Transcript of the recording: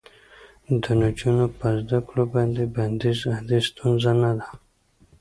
د نجونو په زده کړو باندې بندیز عادي ستونزه نه ده.